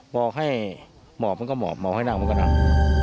บอกให้หมอบมันก็หมอบหมอบให้นั่งมันก็นั่ง